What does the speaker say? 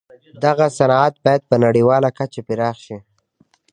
دغه صنعت بايد په نړيواله کچه پراخ شي.